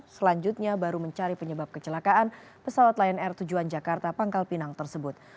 selanjutnya baru mencari penyebab kecelakaan pesawat lion air tujuan jakarta pangkal pinang tersebut